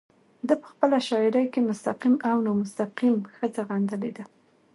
ده په خپله شاعرۍ کې مستقيم او نامستقيم ښځه غندلې ده